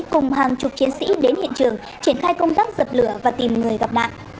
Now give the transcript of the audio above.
cùng hàng chục chiến sĩ đến hiện trường triển khai công tác dập lửa và tìm người gặp nạn